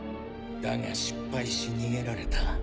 だが失敗し逃げられた。